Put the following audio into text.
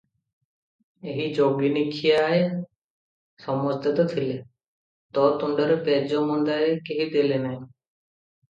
ଏହି ଯୋଗିନୀଖିଆଏ ସମସ୍ତେ ତ ଥିଲେ, ତୋ ତୁଣ୍ଡରେ ପେଜ ମନ୍ଦାଏ କେହି ଦେଲେ ନାହିଁ?